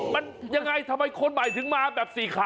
มันยังไงทำไมคนใหม่ถึงมาแบบสี่ขา